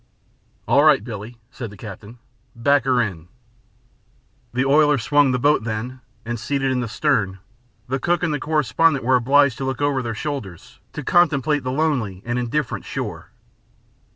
"All right, Billie," said the captain. "Back her in." The oiler swung the boat then and, seated in the stern, the cook and the correspondent were obliged to look over their shoulders to contemplate the lonely and indifferent shore.